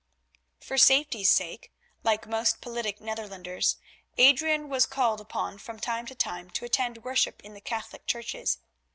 For safety's sake, like most politic Netherlanders, Adrian was called upon from time to time to attend worship in the Catholic churches.